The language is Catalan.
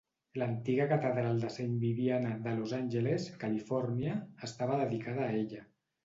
L'antiga catedral de Saint Vibiana de Los Angeles, Califòrnia, estava dedicada a ella.